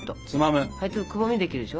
くぼみできるでしょ？